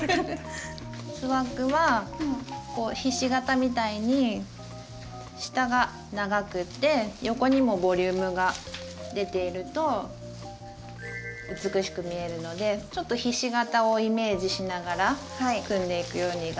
スワッグはひし形みたいに下が長くて横にもボリュームが出ていると美しく見えるのでちょっとひし形をイメージしながら組んでいくように頑張ってみて下さい。